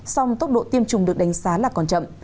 song tốc độ tiêm chủng được đánh giá là còn chậm